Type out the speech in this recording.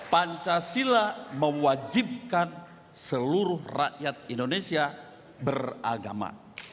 pancasila mewajibkan seluruh rakyat indonesia beragama